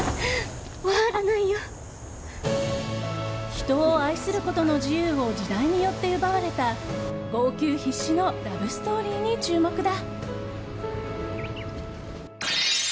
人を愛することの自由を時代によって奪われた号泣必至のラブストーリーに注目だ。